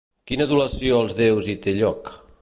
Quina adulació als déus hi té lloc?